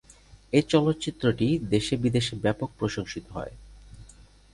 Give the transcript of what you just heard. এ চলচ্চিত্রটি দেশে-বিদেশে ব্যাপক প্রশংসিত হয়।